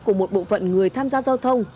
của một bộ phận người tham gia giao thông